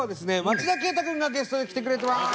町田啓太君がゲストで来てくれてます。